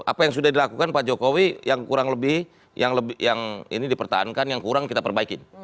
apa yang sudah dilakukan pak jokowi yang kurang lebih yang ini dipertahankan yang kurang kita perbaikin